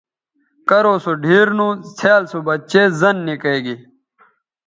کرو سو ڈِھیر نو څھیال سو بچے زَن نِکئے گے